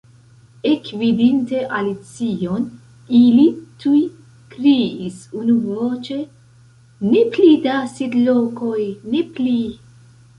Ekvidinte Alicion, ili tuj kriis unuvoĉe. "Ne pli da sidlokoj, ne pli!"